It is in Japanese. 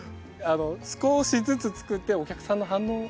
少しずつつくってお客さんの反応を。